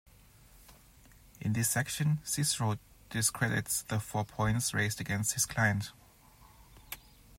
In this section, Cicero discredits the four points raised against his client.